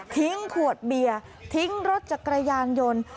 ขวดเบียร์ทิ้งรถจักรยานยนต์